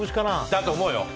だと思うよ。